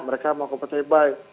mereka mau ke pt bai